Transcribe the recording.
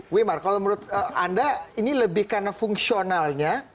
wimar kalau menurut anda ini lebih karena fungsionalnya